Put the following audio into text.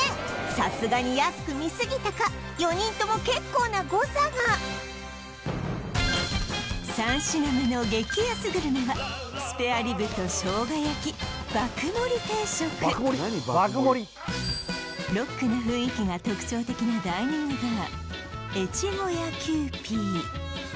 さすがに安く見すぎたか４人とも結構な誤差が３品目の激安グルメはスペアリブとしょうが焼き爆盛り定食ロックな雰囲気が特徴的なダイニングバー